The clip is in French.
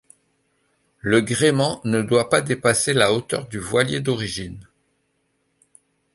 Le gréement ne doit pas dépasser la hauteur du voilier d'origine.